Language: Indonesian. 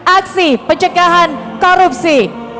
aksi pencegahan korupsi